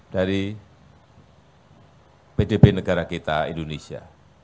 dari pdb negara kita indonesia